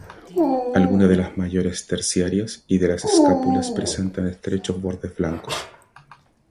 Algunas de las mayores terciarias y de las escápulas presentan estrechos bordes blancos.